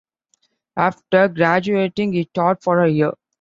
After graduating, he taught for a year.